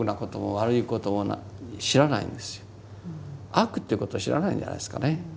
悪ということを知らないんじゃないですかね。